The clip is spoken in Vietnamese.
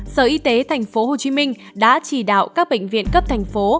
sở y tế tp hcm đã chỉ đạo các bệnh viện cấp thành phố